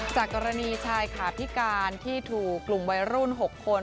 จากกรณีชายขาพิการที่ถูกกลุ่มวัยรุ่น๖คน